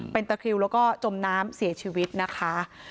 เป็นตะคริวแล้วก็จมน้ำเสียชีวิตนะคะ